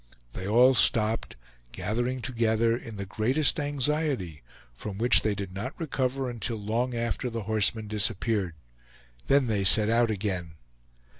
They all stopped, gathering together in the greatest anxiety, from which they did not recover until long after the horseman disappeared; then they set out again.